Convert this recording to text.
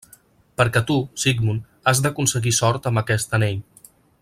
Perquè tu, Sigmund, has d'aconseguir sort amb aquest anell.